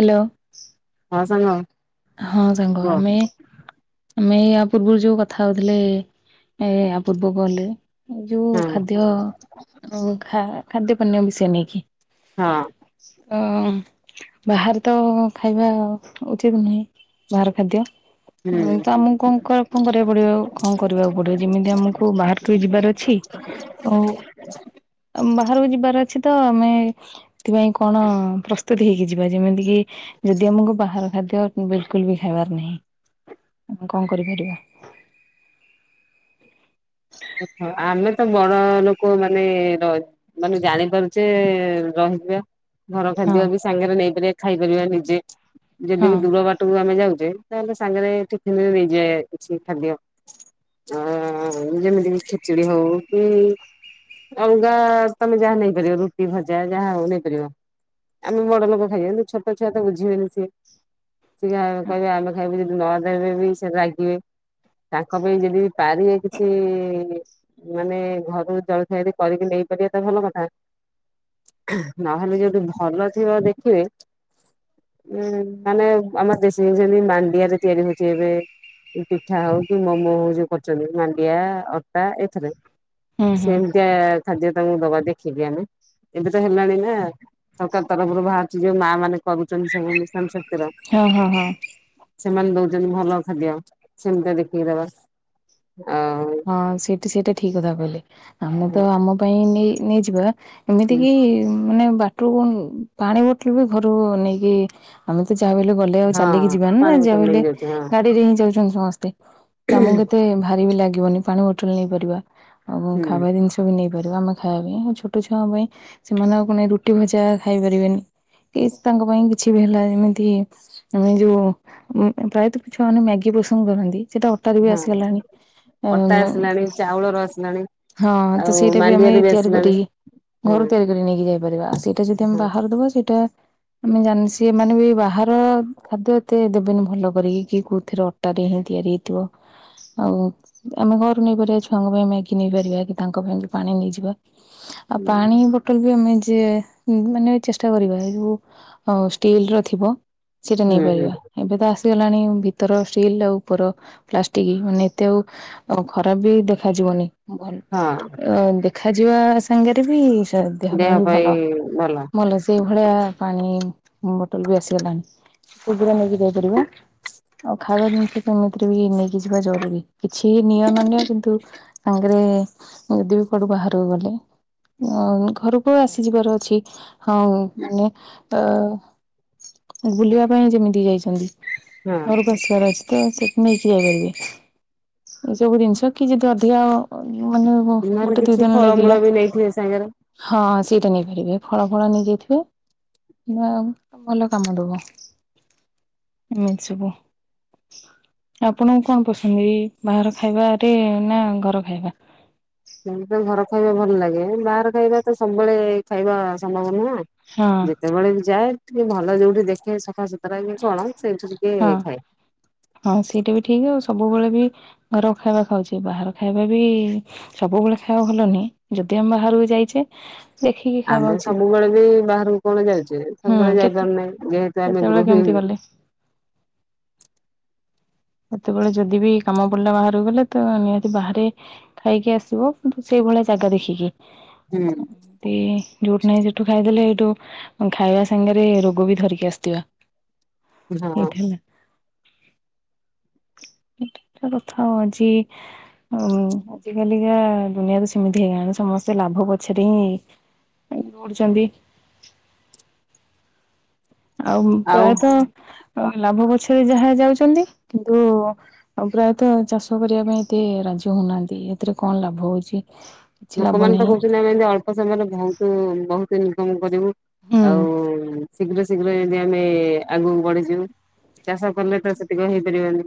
Hello. ହଁ ସାଙ୍ଗ। ହଁ ସାଙ୍ଗ କୁହ ଆମେ ହଁ ଆମେ ୟା ପୂର୍ବରୁ ଯୁ କଥା ହଉଥିଲେ ୟା ପୂର୍ବ କଲ୍ ରେ ଏ ଯୁ ଖାଦ୍ୟ ଖାଦ୍ୟ ପାନୀୟ ବିଷୟ ନେଇକି? ହଁ। ଅ ବାହାରେ ତ ଖାଇବା ଉଚିତ୍ ନୁହେଁ। ବାହାର ଖାଦ୍ୟ ହୁଁ ତ ଆମକୁ ଙ୍କୁକଙ୍କୁ କଣ କରିବାକୁ ପଡିବ କଣ କରିବାକୁ ପଡିବ ଯେମିତି ଆମକୁ ବାହାରକୁ ଯିବାର ଅଛି ଆଉ ବାହାରକୁ ଯିବାର ଅଛି ତ ଆମେ ସେଥିପାଇଁ କଣ ପ୍ରସ୍ତୁତି ହେଇକି ଯିବା ଯେମିତି କିି ଯଦି ଆମକୁ ବାହାର ଖାଦ୍ୟ ବିଲ୍ କୁଲ୍ ବି ଖାଇବାର ନାହିଁ ଆମେ କଣ କରିପାରିବା। ଆମେ ତ ବଡ ଲୋକ ମାନେ ର ମାନେ ଜାଣିପାରୁଚେ ରହିଯିବା। ଘର ଖାଦ୍ୟ ବି ସାଙ୍ଗରେ ନେଇପାରିବା ଖାଇପାରିବା ନିଜେ ଯଦି ହଁ ବି ଦୂର ବା ଟୁ ଆମେ ଯାଉଚେ ତାହେଲେ ସାଙ୍ଗରେ ଟିଫିନି ନେଇଯିବ କିଛି ଖାଦ୍ୟ ଅ ଯେମିତି କି ଖିଚୁଡି ହଉ କି ଅଲଗା ତମେ ଯାହା ନେଇପାରିବ ରୁଟି ଭଜା ଯାହା ହଉ ନେଇପାରିବ। ଆମେ ବଡ଼ଲୋକ ଖାଇବା କିନ୍ତୁ ଛୋଟ ଛୁଆ ତ ବୁଝିବେନି ସିଏ। କି ହଁ କହିବେ ଆମେ ଖାଇବୁ ଯଦି ନଦବେ ବି ସେ ରାଗିବେ ତାଙ୍କ ପାଇଁ ଯଦି ପାରିବେ କିଛି ମାନେ ଘରୁ ଜଳଖିଆ କରିକି ନେଇପାରିବା ତ ଭଲ କଥା। ନହେଲେ ଯଦି ଭଲ ଥିବ ଦେଖିବେ ଉଁ ମାନେ ଆମର ଦେଶୀ ଯେମତି ମାଣ୍ଡିଆ ରେ ତିଆରି ହଉଛି ଏବେ ପିଠା ହଉ କି ମୋମୋ ହଉ ଯୋଉ କରୁଛନ୍ତି ମାନେ ଲିଆ ଅଟା ଏଥିରେ ହୁଁ ହୁଁ ସେମିତିଆ ଖାଦ୍ଯ ତାଙ୍କୁ ଦବା ଦେଖିକି ଆମେ ଏବେ ତ ହେଲାଣି ନା ସରକାର ତରଫରୁ ବା ଝିଅ ମା ମାନେ କରୁଛନ୍ତି ସବୁ ମିଶନ୍ ଶକ୍ତିର ହଁ ହଁ ହଁ। ସେମାନେ ଦଉଛନ୍ତି ଭଲ ଖାଦ୍ୟ ସେମିତିଆ ଦେଖିକି ଦବା। ଅ ହଁ ସେଇଠି ସେଇଟା ଠିକ୍ କଥା କହିଲେ ଆମେ ତ ଆମ ପାଇଁ ନେଇ ନେଇଯିବା ଏମିତି କି ମାନେ ବାଟରୁ ପାଣି ବୋଟଲ ବି ଘରୁ ନେଇକି ଆମେ ତ ଯାହା ବଲେ ଗଲେ ଆଉ ଚାଲିକି ହଁ ଯିବାନି ନା ପାଣି ଯାହା ବୋତଲ ବୋଇଲେ ନେଇକି ଯାଉଛି ହଁ ଗାଡିରେ ହିଁ ଯାଉଛନ୍ତି ସମସ୍ତେ। ତମକୁ ହୁଁ କେତେ ଭାରି ବି ଲାଗିବନି ପାଣି ବୋଟଲ ନେଇପାରିବା ଆଉ ଖାଇବା ଜିନିଷ ନେଇପାରିବା ଆମେ ଖାଇବା ପାଇଁ ଆଉ ଛୋଟ ଛୁଆ ପାଇଁ ସେମାନଙ୍କ କ ରୁଟି ଭଜା ଖାଇ ପାରିବେନି। କି ତାଙ୍କ ପାଇଁ କିଛି ବି ହେଲା ଯେମିତି ଆମେ ଯୋଉ ପ୍ରାୟତଃ ଛୁଆ ମାନେ ମ୍ୟାଗି ପସନ୍ଦ କରନ୍ତି ସେଟା ଅଟାରେ ବି ହଁ ଆସିଗଲାଣି। ଅଟା ଆସିଲାଣି ଚାଉଳର ଆସିଲାଣି ହଁ ତ ଆଉ ସେଇଟା ବି ଆମେ ମାଣ୍ଡିଆରେ ତିଆରି ଆସିଲାଣି କରିକି ହଁ ଘରୁ ତିଆରି କରି ନେଇକି ଯାଇପାରିବା ସେଇଟା ଯଦି ଆମେ ହଁ। ବାହାର ଦବା ସେଇଟା ଆମେ ଜାଣିସି ଏମାନୋନେ ବି ବାହାର ଖାଦ୍ୟ ଏତେ ଦେବେନି ଭଲ କରିକି କି କୋଉଥିରେ ଅଟା ରେ ହିଁ ତିଆରି ହେଇଥିବ ଆଉ ଆମେ ଘରୁ ନେଇପାରିବା ଛୁଆଙ୍କ ପାଇଁ ମ୍ୟାଗି ନେଇ ପାରିବା କି ତାଙ୍କ ପାଇଁ ଏମତି ପାଣି ନେଇଯିବା। ଆଉ ହୁଁ ପାଣି ଆମେ ଯ ମାନେ ଚେଷ୍ଟା କରିବା ଯଉ ଷ୍ଟିଲ୍ ର ଥିବ ସେଟା ହୁଁ ନେଇପାରିବା। ଏବେ ତ ଆସିଗଲାଣି ଭିତର ଷ୍ଟିଲ୍ ଆଉ ଉପର ପ୍ଲାଷ୍ଟିକ ମାନେ ଏତେ ଆଉ ଆଉ ଖରାପ ବି ଦେଖାଯିବନି ଭଲ ହଁ ଦେ ଖାଇ ଯିବା ସାଙ୍ଗରେ ବି ସେ ଦେହ ପାଇଁ ବି ଭଲ ଭଲ ଭଲସେ। ସେଇଭଳିଆ ପାଣି ବୋଟଲ ବି ଆସିଗଲାଣି ଖୁସିରେ ନେଇକି ଯାଇ ପାରିବ। ଆଉ ଖାଇବା ଜିନିଷ କେମିତିରେ ବି ନେଇକି ଯିବା ଜରୁରୀ। କିଛି ନିଅ ନ ନିଅ କିନ୍ତୁ ସାଙ୍ଗରେ ଯଦି ବି କୁଆଡୁ ବାହାରକୁ ଗଲେ। ହ ଘରକୁ ଆସିଯିବାର ଅଛି ହଁ ମାନେ ଅ ବୁଲିବା ପାଇଁ ଯେମିତି ଯାଇଛନ୍ତି ହଁ ଘରକୁ ଆସିବାର ଅଛି ତ ସେଠି ନେଇକି ଯାଇପାରିବେ। ଏଇ ସବୁ ଜିନିଷ କି ଯଦି ଅଧିକା ମାନେ ନହେଲେ ଗୋଟେ ଦି କିଛି ଦିନ ଫଳମୂଳ ଲାଗିଲା ବି ନେଇଥିବେ ସାଙ୍ଗରେ ହଁ ସେଇଟା ନେଇପାରିବେ ଫଳ ଫଳ ନେଇଯାଇଥିବେ। ନା ଭଲ କାମ ଦବ। ଏମିତି ସବୁ ଆପଣଙ୍କୁ କଣ କରୁଚନ୍ତି। ବାହାର ଖାଇବାରେ ନା ଘର ଖାଇବା। ଘର ଖାଇବା ଭଲ ଲାଗେ ବାହାର ଖାଇବା ତ ସବୁବେଳେ ଖାଇବା ସମ୍ଭବ ନୁହଁ। ହଁ। ସେତବେଳେ ବି ଯାଏ ଟିକେ ଭଲ ଯୋଉଠି ଦେଖେ ସଫାସୁତୁରା କି କଣ ସେଇଠି ଟିକେ ହଁ ଖାଏ। ହଁ ସେଇଟା ବି ଠିକ୍ ଆଉ ସବୁବେଳେ ବି ଘର ଖାଇବା ଖାଉଛି ବାହାର ଖାଇବା ବି ସବୁବେଳେ ଖାଇବାକୁ ଭଲନି ଯଦି ଆମେ ବାହାରକୁ ଯାଇଛେ ଦେଖିକି ଖାଇବା ଆମେ ଉଚିତ ସବୁବେଳେ ବି ବାହାରକୁ କଣ ଯାଉଛେ ହୁଁ ସବୁବେଳେ କେତେ ଯାଇପାରୁନାହିଁ ଯେହେତୁ ଆମେ କେତେବେଳେ କେମିତି ଗୃହିଣୀ। ଗଲେ ସେତେବେଳେ ଯଦି ବି କାମ ପଡିଲା ବାହାରକୁ ଗଲେ ତ ନିହାତି ବାହାରେ ଖାଇକି ଆସିବ କିନ୍ତୁ ସେଇଭଳିଆ ଜାଗା ଦେଖିକି। ହୁଁ। ଯୋଉଠୁ ନାହିଁ ସେଠୁ ଖାଇଦେଲେ ସେଇଠୁ ଖାଇବା ସାଙ୍ଗରେ ରୋଗ ବି ଧରିକି ଆସିଥିବା। ହଁ। ଏଇଠି ହେଲା [unintelligible] ହ ଆଜି କାଲିକା ଦୁନିଆ ତ ସେମିତି ହେଇଗଲାଣି ସମସ୍ତେ ଲାଭ ପଛରେ ହିଁ ଦୌଡୁଛନ୍ତି। ଆଉ ପ୍ରାୟତଃ ଲାଭ ପଛରେ ଯାହା ଯାଉଛନ୍ତି କିନ୍ତୁ ଆଉ ପ୍ରାୟତଃ ଚାଷ କରିବା ପାଇଁ ଏତେ ରାଜି ହଉନାହାନ୍ତି ଏଥିରେ କଣ ଲାଭ ହଉଛି। କିଛି ଲାଭ ଲୋକମାନେ ତ ନାହିଁ କହୁଛନ୍ତି ଆମେ ଏମତି ଅଳ୍ପ ସମୟରେ ବହୁତ ବହୁତ ଇନକମ୍ କରିବୁ। ହୁଁ ଆଉ ଶୀଘ୍ର ଶୀଘ୍ର ଯଦି ଆମେ ଆଗକୁ ବଢିଛୁ। ଚାଷ କଲେ ତ ସେତିିକ ହେଇପାରିବନି,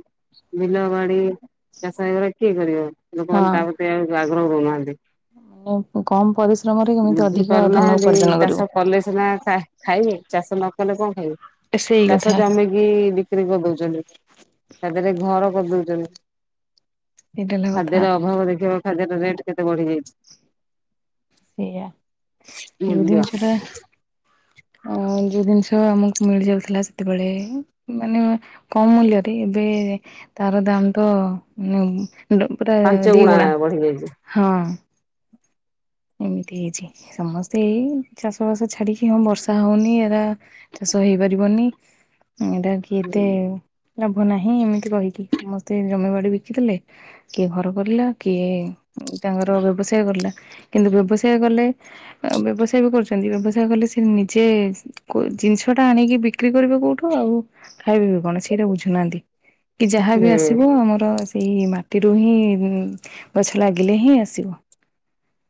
ବିଲ ବାଡି ଚାଷ ହେଇଗ କିଏ କରିବ? ଲୋକମାନେ ତା ପ୍ରତି ଆଉ ଆଗ୍ରହ ହହୁ ନାହାନ୍ତି। ମାନେ, କମ ପରିଶ୍ରମରେ କେମିତି ବୁଝି ଅଧିକ ଧନ ପାରୁନାହାନ୍ତି ଉପାର୍ଜନ ଚାଷ କରିବ। କଲେ ସିନା ଖାଇବେ, ଚାଷ ନ କଲେ କଣ ଖାଇବେ। ସେଇ ଚାଷ କଥା ଜମି ଇ--ବିକ୍ରି କରିଦଉଛନ୍ତି, ତା ଦେହରେ ଘର କରିଦଉଛନ୍ତି। ସେଇଟା ହେଲା କଥା ଖାଦ୍ୟର ଅଭାବ ଦେଖିଵ ଖାଦ୍ୟର ରେଟ କେତେ ବଢି ଯାଇଛି। ସେଇଆ ଯଉ ମୂଲ୍ୟ ଜିନିସ ଟା, ଆଉ, ଯଉଁ ଜିନିଷ ଆମକୁ ମିଳିଯାଉଥିଲା। ସେତେବେଳେ ମାନେ କମ ମୂଲ୍ୟରେ ଏବେ ତାର ଦାମ ତ [unintelligible] ପୁରା ପାଞ୍ଚ ଗୁଣା ଦିଗୁଣା ବଢି ଯାଇଛି। ହଁ, ଏମିତି ହେଇଛି, ସମସ୍ତେ ଏଇ ଚାଷ ବାସ ଛାଡିକି ହଁ ବର୍ଷା ହଉନି ଏରା ଚାଷ ହେଇପାରିବନି ଏଇଟା କି କେତେ ଲାଭ ନାହିଁ, ଏମିତି କହିକି ସମସ୍ତେ ଜମି ବାଡି ବିକିଦେଲେ। କିଏ ଘର କରିଲା, କିଏ ତାଙ୍କର ବ୍ୟବସାୟ କଲା। କିନ୍ତୁ ବ୍ୟବସାୟ କଲେ, ଆଉ ବ୍ୟବସାୟ ବି କରୁଛନ୍ତି। ବ୍ୟବସାୟ କଲେ ସେ ନିଜେ, କୋଉ ଜିନିଷ ଟା ଆଣିକି ବିକ୍ରି କରିବେ କୋଉଠୁ। ଆଉ ଖାଇବେ ବି କଣ ସେଇଟା ବୁଝୁନାହାନ୍ତି। କି ଯାହା ବି ହୁଁ ଆସିବ, ଆମର ସେଇ ମାଟିରୁ ହିଁ ଗଛ ଲାଗିଲେ ହିଁ ଆସିବ।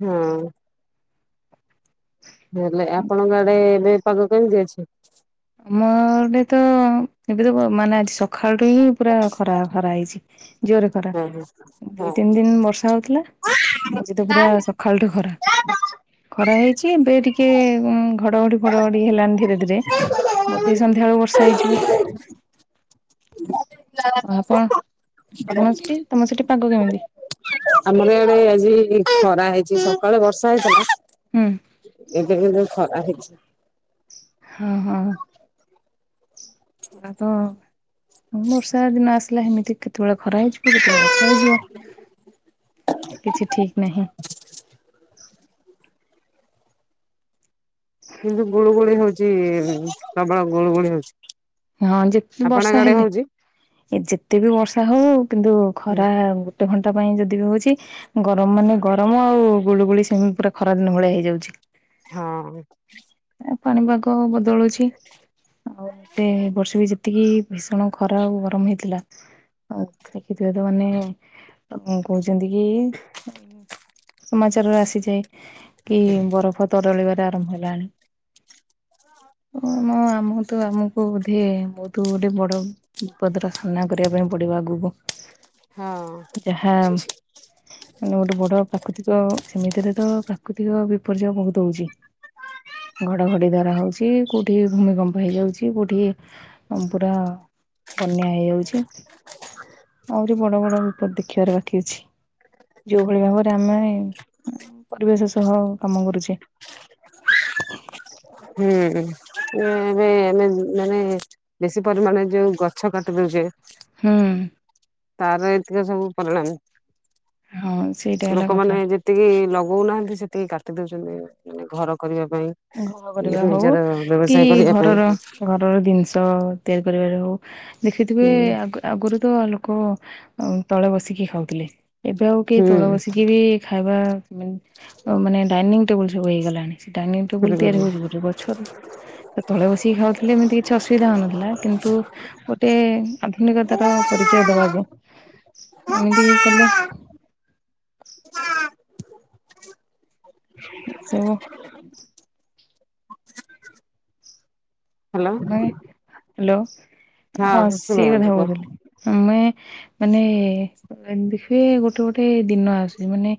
ହଁ, ହେଲେ ଆପଣଙ୍କ ଆଡେ ଏବେ ପାଗ କେମିତି ଅଛି? ଆମ ଆଡେ ତ ଏବେ ତ ମାନେ ଆଜି ସକାଳୁଠୁ ହିଁ, ପୁରା ଖରା ଖରା ହେଇଛି, ଜୋରେ ଖରା ହଁ ହଁ ଦୁଇ ହଁ। ତିନି ଦିନ ବର୍ଷା ହଉଥିଲା। ଆଜି ତ ପୁରା ସକାଳଠୁ ଖରା। ଖରା ହେଇଛି। ଏବେ ଟିକେ ଘଡଘଡି ଫଡଘଡି ହେଲାଣି ଧୀରେ ଧୀରେ, ବୋଧେ ସନ୍ଧ୍ୟା ବେଳୁ ବର୍ଷା ହେଇଯିବ। କଣଆପଣ ସେଠି, ତମ ସେଠି ପାଗ କେମିତି? ଆମର ଏଡେ ଆଜି ଖରା ହେଇଛି ସକାଳେ ବର୍ଷା ହେଇଥିଲା। ହୁଁ ଏଵେ କିନ୍ତୁ ଖରା ହେଇଛି। ହଁ ହଁ। ଆଗ ବର୍ଷା ଦିନ ଆସିଲା, ସେମିତି କେତେବେଳେ ଖରା ହେଇଯିବ। କେତଳ ବର୍ଷା ହେଇଯିବ, କିଛି ଠିକ ନାହିଁ। କିନ୍ତୁ ଗୁଳୁ ଗୁଳି ହଉଛି ପ୍ରବଳ ଗୁଳୁ ଗୁଳି ହଉଛି। ହଁ ଯେତେ ଆପଣଙ୍କ ବର୍ଷା ଆଡେ ହେଲେ, ହଉଛି? ଏ ଯେତେ ବି ବର୍ଷା ହଉ କିନ୍ତୁ ଖରା ଗୋଟେ ଘଣ୍ଟା ପାଇଁ ଯଦି ବି ହଉଛି ଗରମ ମାନେ ଗରମ ଆଉ ଗୁଳୁଗୁଳି ସେମିତି। ଖରାଦିନ ଭଳିଆ ହେଇଯାଉଛି। ହଁ ପାଣିପାଗ ବଦଳୁଛି। ଆଉ ଏତେ ବର୍ଷେ ବି ଯେତିକି ଭୀଷଣ ଖରା ଆଉ ଗରମ ହେଇଥିଲା। ହ ଦେଖିଥିବେ ତ ମାନେ ହୁଁ, କହୁଛନ୍ତି କି? ସମାଚାରରେ ଆସିଯାଏ କି ବରଫ, ତଦଳିବାର ଆରମ୍ଭ ହେଲାଣି। ହଁ ଆମ ତ ଆମକୁ, ହ ବୋଧେ, ମୁଁ ତୁ ଗୋଟେ ବଡ ବିପଦର ସାମ୍ନା କରିବା ପାଇଁ ପଡିବ ଆଗକୁ। ହଁ। ଯହା, ମାନେ, ଗୋଟେ ବଡ ପ୍ରାକୃତିକ ସେମିତିରେ ତ ପ୍ରାକୃତିକ ବିପର୍ଯ୍ୟୟ ବହୁତ ହଉଛି। ଘଡଘଡି ଦ୍ଵାରା ହଉଛି, କୋଉଠି ଭୂମିକମ୍ପ ହେଇଯାଉଛି। କୋଉଠି ପୁରା ବନ୍ୟା ହେଇଯାଉଛି। ଆହୁରି ବଡ଼ ବଡ଼ ବିପଦ ଦେଖିବାର ବାକି ଅଛି। ଯୋଉ ଭଳି ଭାବରେ ଆମେ ପରିବେଶ ସହ କାମ କରୁଛେ। ହ ହୁଁ, ଏବେ ଆମେ ମାନେ ବେଶି ପରିମାଣରେ ଯୋଉ ଗଛ କାଟିଦଉଛେ। ହୁଁ। ତାର ଏତିକ ସବୁ ପରିଣାମ। ହଁ ସେଇଟା ହେଲା କଥା। ଲୋକମାନେ ଯେ ତିକି ଲଗଉନାହାନ୍ତି, ସେତିକି କାଟି ଦଉଛନ୍ତି, ମାନେ ଘର କରିବା ପାଇଁ। [inaudible] କରିବା କି ହଉ ନିଜର କି ବ୍ୟବସାୟ କରିବା ପାଇଁ ଘରର ଘରର ଜିନିଷ ତିଆରି କରିବାରେ ହଉ ଦେଖିଥିବେ, ହୁଁ ଆଗ ଆଗରୁ ତ ଲୋକ ତଳେ ବସିକି ଖାଉଥିଲେ, ଏବେ ଆଉ କି ହୁଁ ତଳେ ବସିକି ବି ଖାଇବା ମାନେ, ମାନେ ଡାଇନିଂ ଟେବୁଲ ସବୁ ହେଇଗଲାଣି, ଡାଇନିଂ ଟେବୁଲ ତିଆରି ହୁଁ। ହଉଛି ଗୋଟେ ଗଛରୁ। ତଳେ ବସିକି ଖାଉଥିଲେ, ଏମିତି କିଛି ଅସୁବିଧା ହଉନଥିଲା, କିନ୍ତୁ ଗୋଟେ ଆଧୁନିକତାର ପରିଚୟ ଦବାକୁ ଏମିତି କଲେ। [inaudible] ହ୍ୟାଲୋ। [inaudible] ହ୍ୟାଲୋ, ହଁ, ସିଏ କଥା ଶୁଣାଯାଉଛି କୁହ କହୁଥିଲେ। ଆମେ ମାନେ, [inaudible] ଗୋଟେ ଗୋଟେ ଦିନ ଆସୁଛି ମାନେ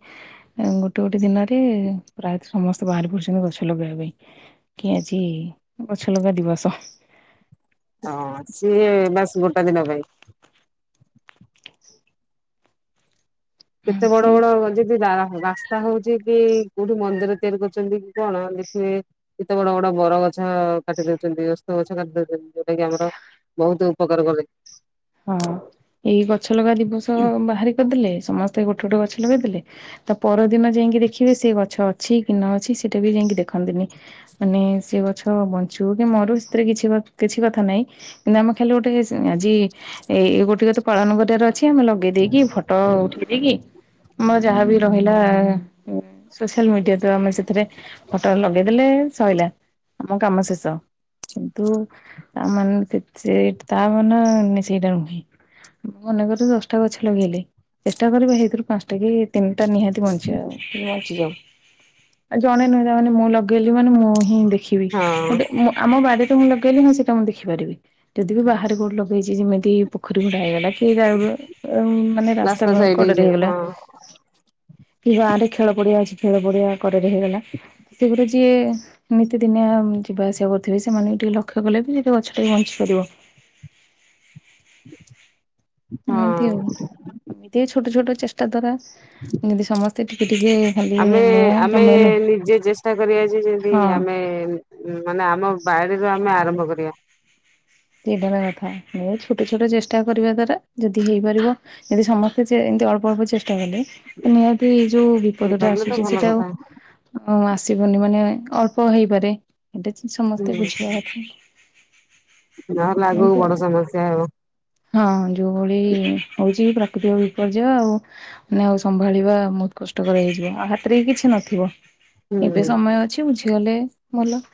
ଗୋଟେ ଗୋଟେ ଦିନରେ ପ୍ରାୟତଃ ସମସ୍ତେ ବାହାରି ପଡୁଛନ୍ତି ଗଛ ଲଗେଇବା ପାଇଁ। କି ଆଜି ଗଛଲଗା ଦିବସ? ହଁ, ସିଏ ବାସ୍ ଗୋଟା ଦିନ ପାଇଁ। ହଁ କେତେ ବଡ ସେଇ ବଡ ଯଦି ତାହା ହଉଛି କି, କୋଉଠି ମନ୍ଦିର ତିଆରି କରୁଛନ୍ତି କି କଣ, ଦେଖିବେ। କେତେ ବଡ ବଡ ବରଗଛ କାଟି ଦଉଛନ୍ତି, ଓସ୍ତ ଗଛ କାଟି ଦଉଛନ୍ତି, ଯୋଉଟା କିି ଆମର ବହୁତ ଉପକାର କରେ। ହଁ, ଏଇ ଗଛ ଲଗା ଦିବସ ବାହାରି କରିଦେଲେ, ସମସ୍ତେ ଗୋଟେ ଗୋଟେ ଗଛ ଲଗେଇଦେଲେ। ତା ପରଦିନ ଯାଇକି ଦେଖିବେ, ସେ ଗଛ ଅଛି କି ନ ଅଛି, ସେଟା ବି ଯାଇକି ଦେଖନ୍ତିନି। ମାନେ, ସେ ଗଛ ବଞ୍ଚୁ କି ମରୁ, ସେଥିରେ କିଛି କିଛି କଥା ନାହିଁ। କିନ୍ତୁ ଆମେ ଖାଲି ଗୋଟେ ଆଜି ଏଇ ଗୋଟେ କ ତେ ପାଳନ କରିବାର ଅଛି, ଆମେ ଲଗେଇ ଦେଇକି ଫଟୋ ଉଠେଇ ଦେଇକି? ଆମ ଯାହା ବି ରହିଲା, ସୋସିଆଲ ମିଡିଆ ତ, ଆମେ ସେଥିରେ ଫଟରେ ଲଗେଇଦେଲେ ସରିଲା, ଆମ କାମ ଶେଷ। କିନ୍ତୁ ତାମାନେ, ସେ ତାମାନେ ସେଇଟା ନୁହେଁ, ମନେକର, ଦଶଟା ଗଛ ଲଗେଇଲେ, ଚେଷ୍ଟା କର ସେଇଥିରୁ ପାଞ୍ଚା ତାକି ତିନିଟା ନିହାତି ବଞ୍ଚିବ ଆଉ। [inaudible] ଜଣେ ନୁହେଁ, ତା ମାନେ ମୁଁ ଲଗେଇଲି ମାନେ, ମୁଁ ହିଁ ଦେଖିବି ହଁ ଗୋଟେ ଆମ ବାଡିରେ ମୁଁ ଲଗେଇଲିି, ହଁ, ସେଟା ମୁଁ ଦେଖିପାରିବି। ଯଦି ବି ବାହାରେ କୋଉଠି ଲଗେଇଛି, ଯେମିତି ପୋଖରୀ ହୁଡା ହେଇଗଲା କି, [inaudible] ମାନେ ରାସ୍ତା ସାଇଡ କଡରେ ହେଇଯିବ ହେଇଗଲା। ହଁ କି ଗାଁ ରେ ଖେଳ ପଡିଆ ଅଛି, ଖେଳ ପଡିଆ କଡରେ ହେଇଗଲା, ସେଗୁଡା ଯିଏ ନିତିଦିନିଆ ଯିବା ଆସିବା କରୁଥିବେ, ସେମାନେଙ୍କୁ ଟିକେ ଲକ୍ଷ୍ୟ କଲେ ବି ଗଛଟେ ବଞ୍ଚିପାରିବ। ଏମିତି ଆଉ ହଁ ଏମିତି ଛୋଟ ଛୋଟ ଚେଷ୍ଟା ଦ୍ଵାରା ଏମତି ସମସ୍ତେ ଟିକେ ଟିକେ ଖାଲି ଆମେ ମୁଁ ଆମେ ତମେ ନୁହେଁ ନିଜେ ଚେଷ୍ଟା କରିବା ଯେ ଯଦି ହଁ ଆମେ ମାନେ ଆମ ବାଡିରୁ ଆମେ ଆରମ୍ଭ କରିବା। ସେଇଟାର କଥା ଏ ଛୋଟ ଛୋଟ ଚେଷ୍ଟା କରିବା ଦ୍ଵାରା ଯଦି ହେଇପାରିବ। ଯଦି ସମସ୍ତେ ଏମିତି ଅଳ୍ପ ଅଳ୍ପ ଚେଷ୍ଟା କଲେ। ନିହାତି ଏଇ ଯୋଉ ବିପଦ ଟା ହେଇପାରିଲେ ତ ଆସୁଛି ଭଲ ସେଇଟା ଆଉ କଥା ହଁ ଆସିବନି ମାନେ ଅଳ୍ପ ହେଇପାରେ ସେଟା ହୁଁ ସମସ୍ତେ ବୁଝିବା କଥା। ନହେଲେ ଆଗକୁ ଏମିତି ଆଉ। ବଡ ସମସ୍ୟା ହବ। ହଁ ଯୋଉ ଭଳି ହଉଛି ପ୍ରାକୃତିକ ବିପର୍ଯ୍ୟୟ ଆଉ। ମାନେ ଆଉ ସମ୍ଭାଳିବା ବହୁତ କଷ୍ଟକର ହେଇଯିବ ଆଉ ହାତରେ ବି କିଛି ନଥିବ। ହୁଁ ଏବେ ସମୟ ଅଛି ବୁଝିଗଲେ ଭଲ।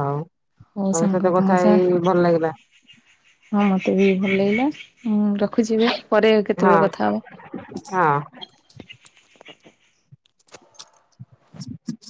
ହଉ ହଉ ଆମ ସାଙ୍ଗ ସହିତ ତମ କଥା ସା ହେଇ ଭଲ ଲାଗିଲା। ହଁ ମତେ ବି ଭଲ ଲାଗିଲା ଉଁ ରଖୁଛି ପରେ ହଁ କେତେବେଳେ କଥା ହବ। ହଁ। [inaudible] [inaudible]